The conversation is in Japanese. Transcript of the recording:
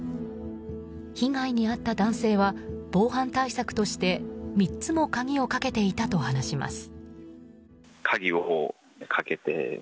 被害に遭った男性は防犯対策として３つも鍵をかけていたと話します。